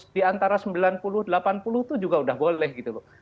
di antara sembilan puluh delapan puluh itu juga udah boleh gitu loh